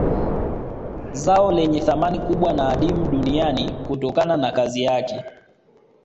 Zao lenye thamani kubwa na adimu duniani kutokana na kazi yake